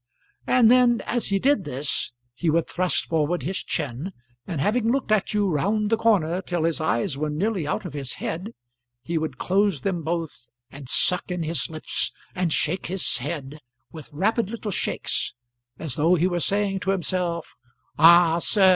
And then as he did this, he would thrust forward his chin, and having looked at you round the corner till his eyes were nearly out of his head, he would close them both and suck in his lips, and shake his head with rapid little shakes, as though he were saying to himself, "Ah, sir!